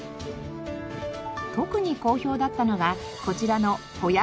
特に好評だったのがこちらのホヤフライです。